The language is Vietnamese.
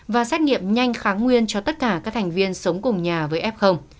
và xét nghiệm nhanh kháng nguyên cho tất cả các thành viên sống cùng nhà với f